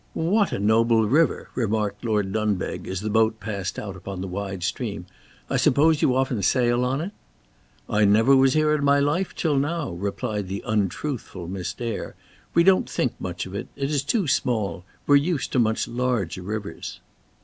"What a noble river!" remarked Lord Dunbeg, as the boat passed out upon the wide stream; "I suppose you often sail on it?" "I never was here in my life till now," replied the untruthful Miss Dare; "we don't think much of it; it s too small; we're used to so much larger rivers."